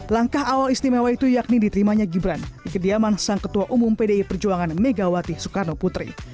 langkah awal istimewa itu yakni diterimanya gibran di kediaman sang ketua umum pdi perjuangan megawati soekarno putri